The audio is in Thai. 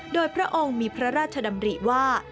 โดยพระองค์มีพระราชดำริว่า